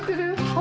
あ！